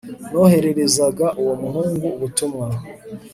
Nohererezaga uwo muhungu ubutumwa